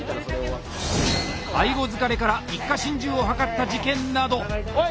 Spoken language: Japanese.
介護疲れから一家心中を図った事件など。